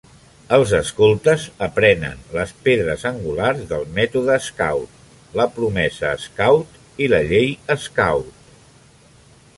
Els escoltes aprenen les pedres angulars del mètode Scout, la promesa Scout i la llei Scout.